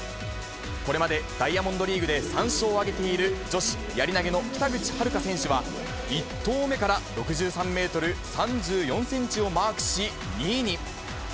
これまでダイヤモンドリーグで３勝を挙げている女子やり投げの北口榛花選手は、１投目から６３メートル３４センチをマークし、２位に。